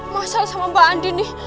masak sama mbak andi nih